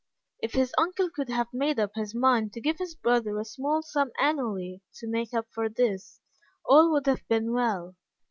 If his uncle could have made up his mind to give his brother a small sum annually to make up for this, all would have been well.